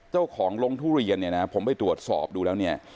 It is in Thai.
เจ้าของลงทุเรียนเนี่ยนะผมไปตรวจสอบดูแล้วเนี่ย